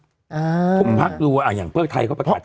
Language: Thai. คลุงภักดิ์หวังอ่ะอย่างเพลิกไทยเขาประกาศ